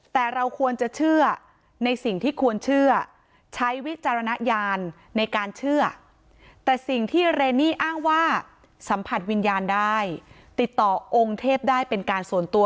แต่เราควรจะเชื่อในสิ่งที่ควรเชื่อใช้วิจารณญาณในการเชื่อแต่สิ่งที่เรนนี่อ้างว่าสัมผัสวิญญาณได้ติดต่อองค์เทพได้เป็นการส่วนตัว